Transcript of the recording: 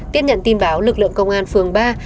tiết nhận tin báo lực lượng công an phương ba